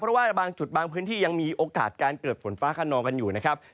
เพราะว่าบางจุดบางพื้นที่ยังมีโอกาสการเกิดฝนฟ้าขนองกันอยู่นะครับ